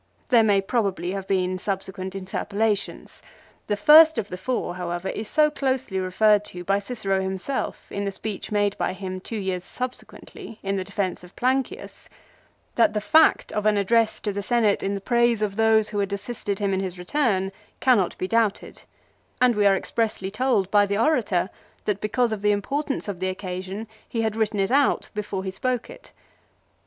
1 There may probably have been subsequent interpolations. The first of the four, however, is so closely referred to by Cicero himself in the speech made by him two years subsequently in the defence of Plancius that the fact of an address to the Senate in the praise of those who had assisted him in his return cannot be doubted ; and we are expressly told by the orator, that because of the importance of the occasion he had written it out before he spoke it.